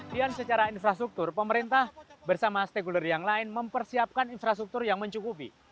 dan secara infrastruktur pemerintah bersama steguler yang lain mempersiapkan infrastruktur yang mencukupi